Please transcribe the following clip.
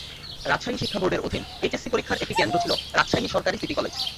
রাজশাহী শিক্ষা বোর্ডের অধীন এইচএসসি পরীক্ষার একটি কেন্দ্র ছিল রাজশাহী সরকারি সিটি কলেজ।